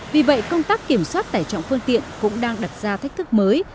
vì vậy công tác kiểm soát tải trọng phương tiện cũng đang đặt ra thách thức mới